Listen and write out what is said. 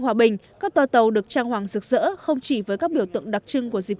hòa bình các toa tàu được trang hoàng rực rỡ không chỉ với các biểu tượng đặc trưng của dịp